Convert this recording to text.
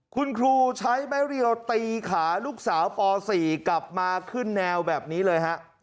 คุณครูใช้ไม้เรียวตีขาลูกสาวป๔กลับมาขึ้นแนวแบบนี้เลยฮะ